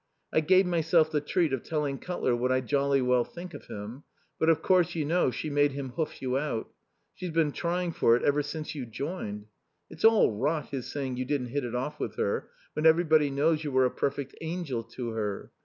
I gave myself the treat of telling Cutler what I jolly well think of him. But of course you know she made him hoof you out. She's been trying for it ever since you joined. It's all rot his saying you didn't hit it off with her, when everybody knows you were a perfect angel to her.